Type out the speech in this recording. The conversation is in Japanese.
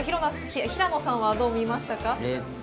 平野さんはどう見ましたか？